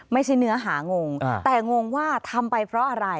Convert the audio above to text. เนื้อหางงแต่งงว่าทำไปเพราะอะไร